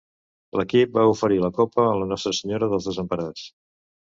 L'equip va oferir la Copa a la Nostra Senyora dels Desemparats.